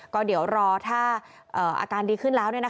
ก็เดี๋ยวรอถ้าอาการดีขึ้นแล้ว